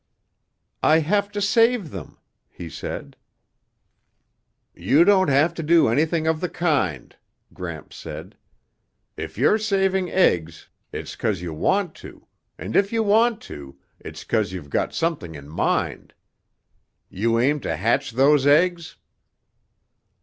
"I have to save them," he said. "You don't have to do anything of the kind," Gramps said. "If you're saving eggs it's 'cause you want to, and if you want to, it's 'cause you got something in mind. You aim to hatch those eggs?"